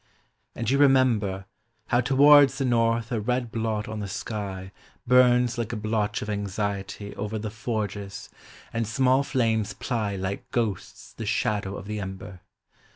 And you remember, How towards the north a red blot on the sky Burns like a blotch of anxiety Over the forges, and small flames ply Like ghosts the shadow of the ember.